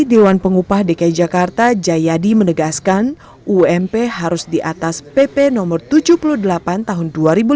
dewan pengupah dki jakarta jayadi menegaskan ump harus di atas pp no tujuh puluh delapan tahun dua ribu lima belas